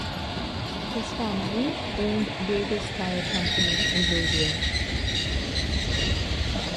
His family owned Davis Tire Company in Louisville.